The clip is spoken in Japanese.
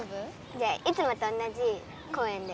じゃあいつもと同じ公園で。